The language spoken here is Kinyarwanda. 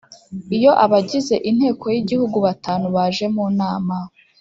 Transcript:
Iyo abagize Inteko y Igihugu batanu baje mu nama